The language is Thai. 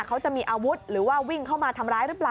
เขาจะมีอาวุธหรือว่าวิ่งเข้ามาทำร้ายหรือเปล่า